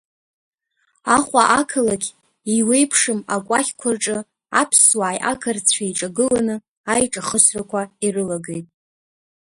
Аҟәа ақалақь еиуеиԥшым акәакьқәа рҿы аԥсуааи ақырҭцәеи еиҿагыланы аиҿахысрақәа ирылагеит.